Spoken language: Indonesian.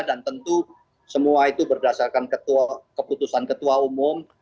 dan tentu semua itu berdasarkan keputusan ketua umum